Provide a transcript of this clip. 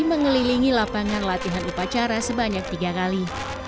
mengelilingi lapangan latihan upacara sebanyak tiga kali